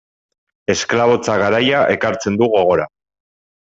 Esklabotza garaia ekartzen du gogora.